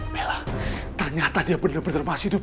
bella ternyata dia bener bener masih hidup